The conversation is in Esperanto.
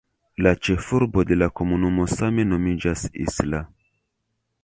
La ĉefurbo de la komunumo same nomiĝas "Isla".